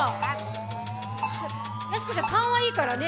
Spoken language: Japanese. やす子ちゃん、勘はいいからね。